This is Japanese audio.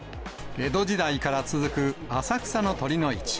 江戸時代から続く浅草の酉の市。